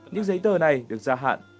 những giấy tờ này được gia hạn